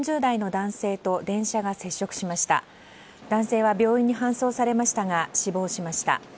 男性は病院に搬送されましたが死亡しました。